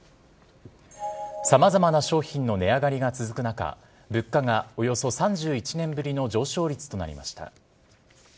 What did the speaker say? さまざまな商品の値上がりが続く中、物価がおよそ３１年ぶりの上昇率となりました。